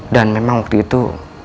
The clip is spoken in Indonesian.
dan memang waktu itu